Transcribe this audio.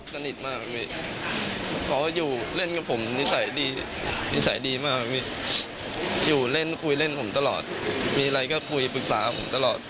เขาเล่นคุยเล่นผมตลอดมีอะไรก็คุยปรึกษาผมตลอด